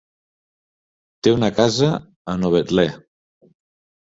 Té una casa a Novetlè.